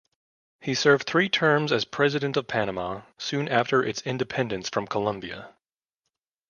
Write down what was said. He served three terms as President of Panama soon after its independence from Colombia.